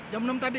jam enam tadi